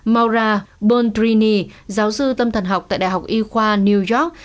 maura bondrini giáo sư tâm thần học tại đại học y khoa new york